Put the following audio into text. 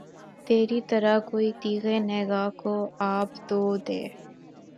تری طرح کوئی تیغِ نگہ کو آب تو دے